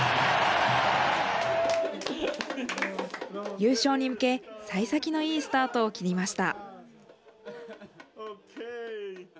優勝に向け、さい先のいいスタートを切りました。